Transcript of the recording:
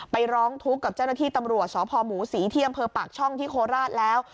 ร้องทุกข์กับเจ้าหน้าที่ตำรวจสพหมูศรีที่อำเภอปากช่องที่โคราชแล้ว